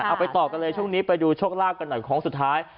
ไปต่อกันเลยช่วงนี้ไปดูโชคลาภกันหน่อยของสุดท้าย